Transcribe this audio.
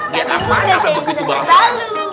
diet apaan apa begitu banget pak ustadz